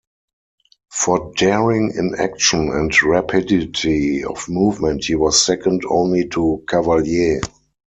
For daring in action and rapidity of movement he was second only to Cavalier.